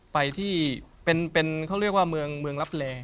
ไปที่เป็นเขาเรียกว่าเมืองรับแรง